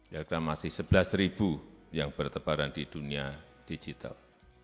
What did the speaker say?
yang masih sebelas yang bertebaran di dunia digital